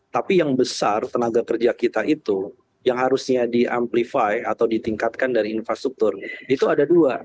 tapi yang besar tenaga kerja kita itu yang harusnya di amplify atau ditingkatkan dari infrastruktur itu ada dua